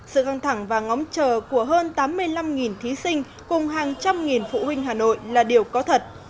sự căng thẳng và ngóng chờ của hơn tám mươi năm thí sinh cùng hàng trăm nghìn phụ huynh hà nội là điều có thật